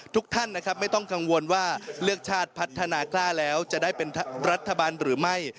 ทุกท่านนะครับไม่ต้องกังวลว่าเลือกชาติพัฒนากล้าแล้วจะได้เป็นรัฐบาลหรือไม่